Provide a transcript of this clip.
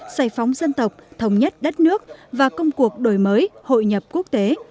xây phóng dân tộc thống nhất đất nước và công cuộc đổi mới hội nhập quốc tế